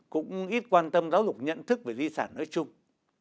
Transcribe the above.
cũng ít quan tâm giáo dục nhận thức về di sản nói chung